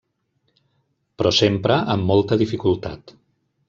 Però sempre amb molta dificultat.